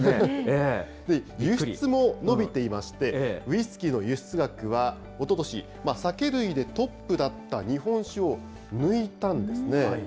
輸出も伸びていまして、ウイスキーの輸出額はおととし、酒類でトップだった日本酒を抜いたんですね。